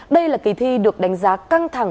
đây là kỳ thi được đánh giá căng thẳng